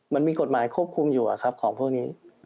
มันมีกฎหมายควบคุมอยู่ของพวกนี้